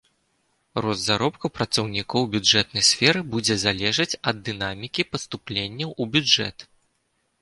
Рост заробкаў працаўнікоў бюджэтнай сферы будзе залежаць ад дынамікі паступленняў у бюджэт.